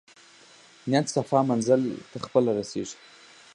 نیت صفاء کړه منزل ته خپله رسېږې.